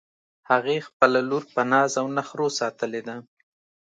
هغې خپله لور په ناز او نخروساتلی ده